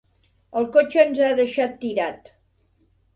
El cotxe ens ha deixat tirat.